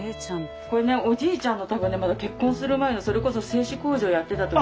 これねおじいちゃんが多分ねまだ結婚する前のそれこそ製糸工場やってた時の。